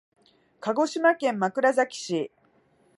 鹿児島県枕崎市